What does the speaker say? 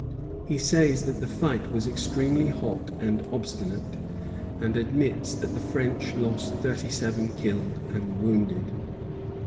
He says that the fight was extremely hot and obstinate, and admits that the French lost thirty seven killed and wounded.